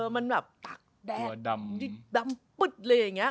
มันแบบตักแดงดำปึ๊ดเลยอย่างนี้